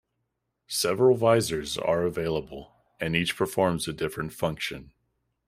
Several visors are available, and each performs a different function.